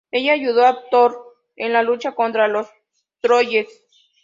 Ella ayudó a Thor en la lucha contra los trolls.